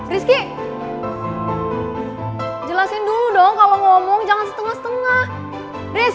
rizky jelasin dulu dong kalau ngomong jangan setengah setengah